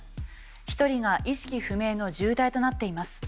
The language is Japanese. １人が意識不明の重体となっています。